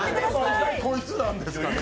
なんでこいつなんですかね。